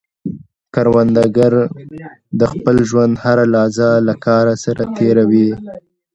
کروندګر د خپل ژوند هره لحظه له کار سره تېر وي